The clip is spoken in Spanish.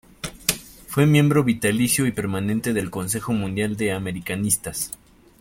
Fue miembro vitalicio y permanente del Consejo Mundial de Americanistas.